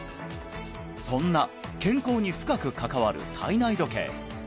そんな健康に深く関わる体内時計